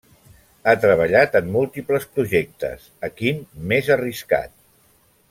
Ha treballat en múltiples projectes a quin més arriscat.